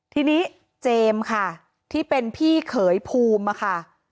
ทีนี้เจมส์ค่ะที่เป็นพี่เขยภูมิค่ะ